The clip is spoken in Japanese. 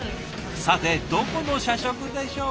さてどこの社食でしょうか？